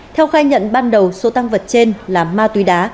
theo khai nhận ban đầu số tăng vật trên là ma túy đá